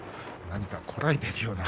何か、こらえているような。